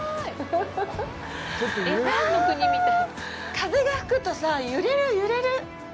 風が吹くとさぁ、揺れる、揺れる！